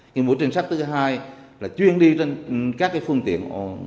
cái mũi trinh sát thứ hai là chuyên đi trên các cái phương tiện